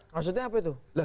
maksudnya apa itu